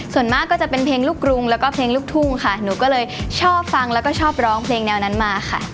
ส่วนมากก็จะเป็นเพลงลูกกรุงแล้วก็เพลงลูกทุ่งค่ะหนูก็เลยชอบฟังแล้วก็ชอบร้องเพลงแนวนั้นมาค่ะ